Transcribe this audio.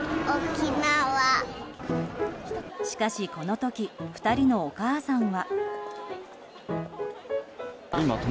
しかし、この時２人のお母さんは。